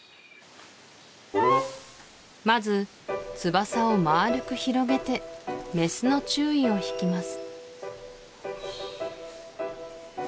まず翼をまるく広げてメスの注意をひきます